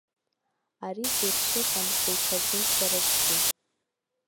Ари зеиԥшыҟам хәылԥазын сара сзы.